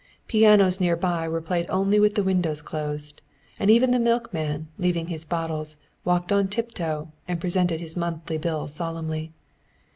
Pianos near by were played only with the windows closed, and even the milkman leaving his bottles walked on tiptoe and presented his monthly bill solemnly.